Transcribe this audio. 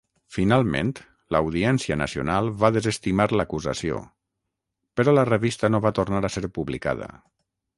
Finalment, l'Audiència Nacional va desestimar l'acusació, però la revista no va tornar a ser publicada.